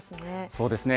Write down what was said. そうですね。